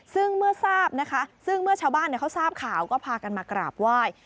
ซึ่งเมื่อทราบนะคะซึ่งเมื่อชาวบ้านเขาทราบข่าวก็พากันมากราบไหว้